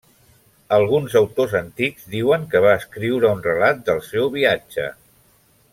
Alguns autors antics diuen que va escriure un relat del seu viatge.